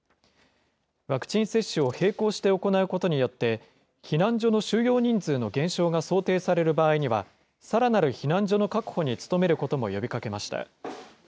ワクチン接種を並行して行うことによって、避難所の収容人数の減少が想定される場合には、さらなる避難所の確保に努めることも呼びかけました。